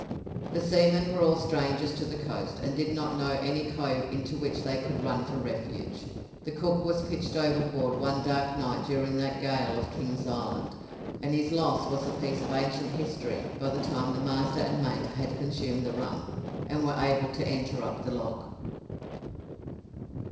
The seamen were all strangers to the coast, and did not know any cove into which they could run for refuge. The cook was pitched overboard one dark night during that gale off King's Island, and his loss was a piece of ancient history by the time the master and mate had consumed the rum, and were able to enter up the log.